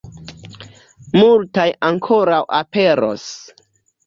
Multaj ankoraŭ aperos.